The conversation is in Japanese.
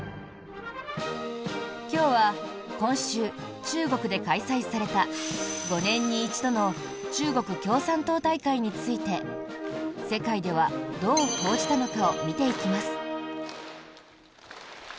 今日は今週、中国で開催された５年に一度の中国共産党大会について世界では、どう報じたのかを見ていきます。